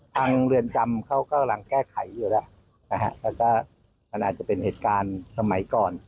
เรือนจำเขากำลังแก้ไขอยู่แล้วนะฮะแล้วก็มันอาจจะเป็นเหตุการณ์สมัยก่อน